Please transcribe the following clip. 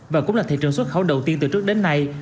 và cũng là thị trường xuất khẩu đầu tiên từ trước đến nay